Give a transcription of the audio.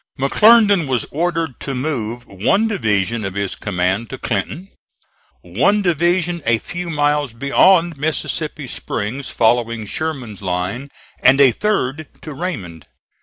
McClernand was ordered to move one division of his command to Clinton, one division a few miles beyond Mississippi Springs following Sherman's line, and a third to Raymond.